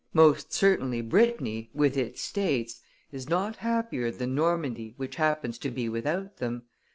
"Most certainly Brittany, with its states, is not happier than Normandy which happens to be without them.